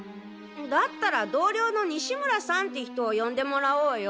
だったら同僚の西村さんって人を呼んでもらおうよ。